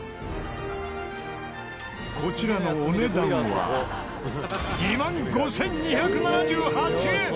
こちらのお値段は２万５２７８円。